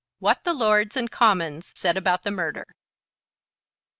WHAT THE LORDS AND COMMONS SAID ABOUT THE MURDER.